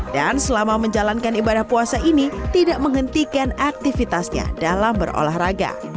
dan selama menjalankan ibadah puasa ini tidak menghentikan aktivitasnya dalam berolahraga